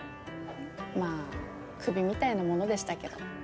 まあクビみたいなものでしたけど。